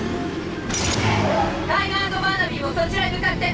「タイガー＆バーナビーもそちらへ向かって！」